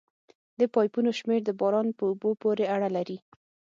د پایپونو شمېر د باران په اوبو پورې اړه لري